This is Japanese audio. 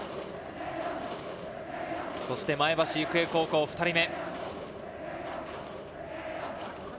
そして前橋育英高校、２人目。